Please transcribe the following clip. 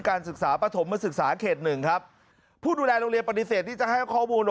การศึกษาปฐมศึกษาเขตหนึ่งครับผู้ดูแลโรงเรียนปฏิเสธที่จะให้ข้อมูล